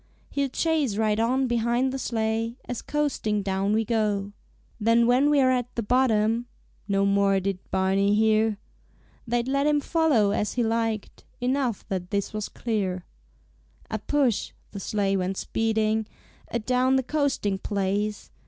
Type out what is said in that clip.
He'll chase right on behind the sleigh, As coasting down we go. "Then when we're at the bottom " No more did Barney hear. They'd let him follow as he liked, Enough that this was clear. A push the sleigh went speeding Adown the coasting place.